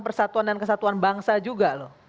persatuan dan kesatuan bangsa juga loh